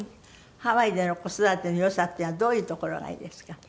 ハワイでの子育てのよさっていうのはどういうところがいいですか？